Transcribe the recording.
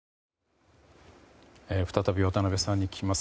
再び渡部さんに聞きます。